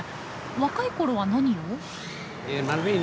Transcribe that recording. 若い頃は何を？